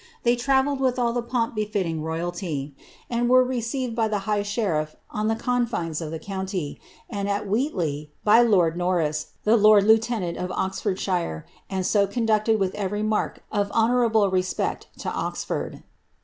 Tbcf travelled with all the pomp betitting ro}'alty, and were received by ite high sheriir on the confines of the county, and, at Wheatley, by kxd Norris, the lord lieutenant of Oxfordshire, and so conducted with'fveiy mark of honourable respect to Oxford.